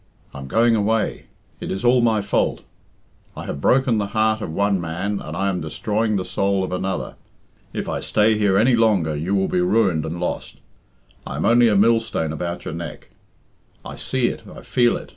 I am going away. It is all my fault. I have broken the heart of one man, and I am destroying the soul of another. If I stay here any longer you will be ruined and lost. I am only a millstone about your neck. I see it, I feel it.